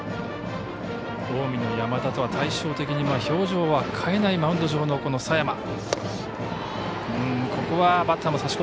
近江の山田とは対照的に表情は変えないマウンド上の佐山。